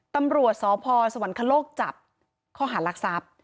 ตำรวจสพสวรรคโลกจับข้อหารักทรัพย์